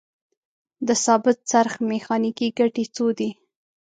د ثابت څرخ میخانیکي ګټې څو دي؟